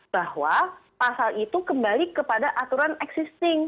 bahwa pasal itu kembali kepada aturan existing